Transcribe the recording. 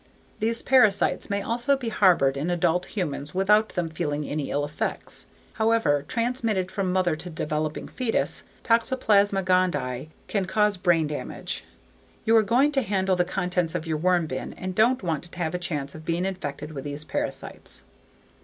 These parasites may also be harbored in adult humans without them feeling any ill effects. However, transmitted from mother to developing fetus, _Toxoplasma gondii _can cause brain damage. You are going to handle the contents of your worm bin and won't want to take a chance on being infected with these parasites.